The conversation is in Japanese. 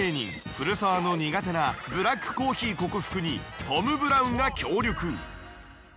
古澤の苦手なブラックコーヒー克服にトム・ブラウンが協力。